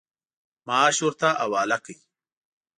معاش ورته حواله کړ.